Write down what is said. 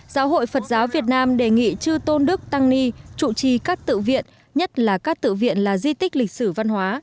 giáo hội phật giáo việt nam đề nghị chư tôn đức tăng ni trụ trì các tự viện nhất là các tự viện là di tích lịch sử văn hóa